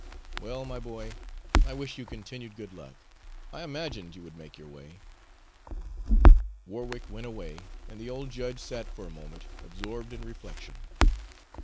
Well, my boy, I wish you continued good luck; I imagined you would make your way." Warwick went away, and the old judge sat for a moment absorbed in reflection.